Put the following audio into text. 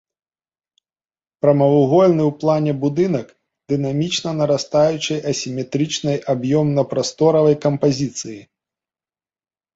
Прамавугольны ў плане будынак дынамічна нарастаючай асіметрычнай аб'ёмна-прасторавай кампазіцыі.